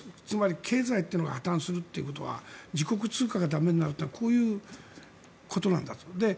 つまり、経済っていうのが破たんするということは自国通貨が駄目になるというのはこういうことなんだと。